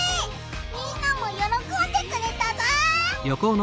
みんなもよろこんでくれたぞ！